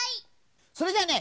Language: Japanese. それじゃあね